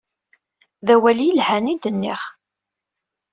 D awal i yelhan i d-nniɣ.